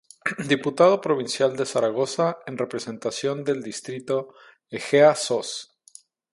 Diputado Provincial de Zaragoza en representación del distrito Ejea-Sos.